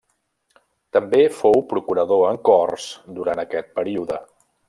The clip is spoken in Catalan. També fou procurador en Corts durant aquest període.